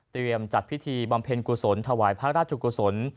จัดพิธีบำเพ็ญกุศลถวายพระราชกุศล